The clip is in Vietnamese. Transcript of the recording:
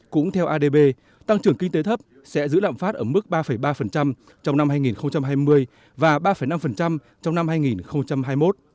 cũng theo adb tăng trưởng kinh tế thấp sẽ giữ lạm phát ở mức ba ba trong năm hai nghìn hai mươi và ba năm trong năm hai nghìn hai mươi một